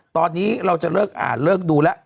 ตอนนี้เราจะเลิกอ่านเลิกดูแล้ว